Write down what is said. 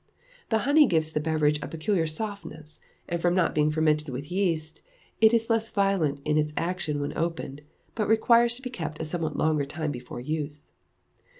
The honey gives the beverage a peculiar softness, and from not being fermented with yeast, it is less violent in its action when opened, but requires to be kept a somewhat longer time before use.